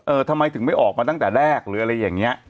ทำไมถึงไม่ออกมาตั้งแต่แรกหรืออะไรอย่างนี้